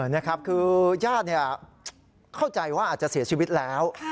นะครับคือญาติเข้าใจว่าอาจจะเสียชีวิตแล้ว